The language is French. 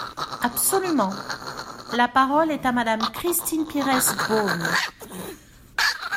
Absolument ! La parole est à Madame Christine Pires Beaune.